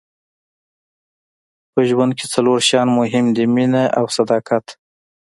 په ژوند کې څلور شیان مهم دي مینه او صداقت.